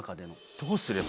どうすれば。